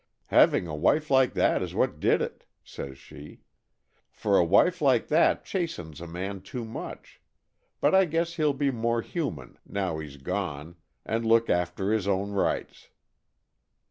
'Having a wife like that is what did it,' says she, 'for a wife like that chastens a man too much, but I guess he'll be more human now she's gone, and look after his own rights.'